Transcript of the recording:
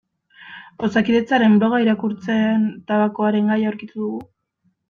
Osakidetzaren bloga irakurtzen tabakoaren gaia aurkitu dugu.